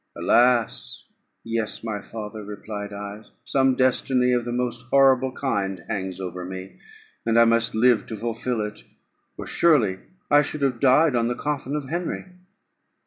"Alas! yes, my father," replied I; "some destiny of the most horrible kind hangs over me, and I must live to fulfil it, or surely I should have died on the coffin of Henry."